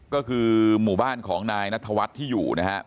ก็คือหมู่บ้านของนายนัทวัฒน์ที่อยู่นะครับ